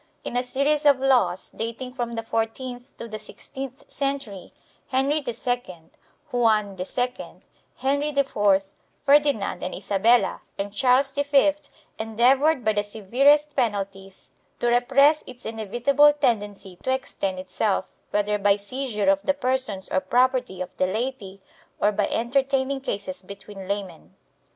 In a series of laws, dating from the fourteenth to the sixteenth century, Henry II, Juan II, Henry IV, Ferdinand and Isabella and Charles V endeavored by the severest penalties to repress its inevitable tendency to extend itself, whether by seizure of the persons or property of the laity or by entertaining cases between laymen.